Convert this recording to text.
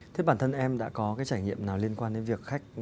thế bản thân em đã có cái trải nghiệm nào liên quan đến việc khách